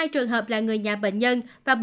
một mươi hai trường hợp là người nhà bệnh nhân